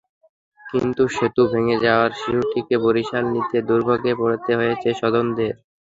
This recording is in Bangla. কিন্তু সেতু ভেঙে যাওয়ায় শিশুটিকে বরিশাল নিতে দুর্ভোগে পড়তে হয়েছে স্বজনদের।